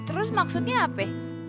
terus maksudnya apa ya